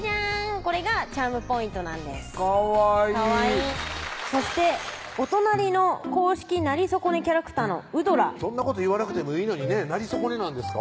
これがチャームポイントなんですかわいいかわいいそしてお隣の公認なりそこねキャラクターのウドラそんなこと言わなくてもいいのになりそこねなんですか？